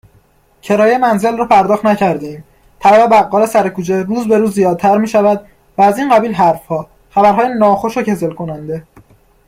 کرایه منزل را پرداخت نکردهایم، طلب بقال سرکوچه روز به روز زیادتر میشود و از این قبیل حرفها، خبرهای ناخوش و کسل کننده